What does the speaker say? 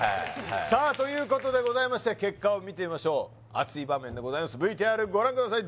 さあということでございまして結果を見てみましょう熱い場面でございますＶＴＲご覧ください